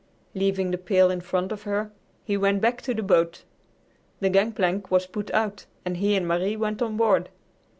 Leaving the pail in front of her, he went back to the boat. The gangplank was put out, and he and Marie went on board.